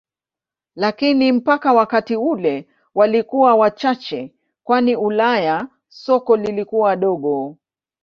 Lakini mpaka wakati ule walikuwa wachache kwani Ulaya soko lilikuwa dogo.